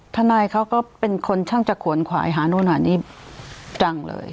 ทนายเขาก็เป็นคนช่างจะขวนขวายหานู่นหานี่จังเลย